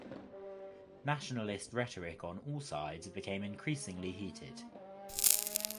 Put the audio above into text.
Nationalist rhetoric on all sides became increasingly heated.